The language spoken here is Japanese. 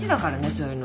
そういうの。